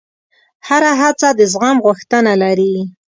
هره هڅه د زغم غوښتنه لري.